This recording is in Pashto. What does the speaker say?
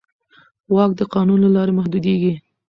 واک د قانون له لارې محدودېږي.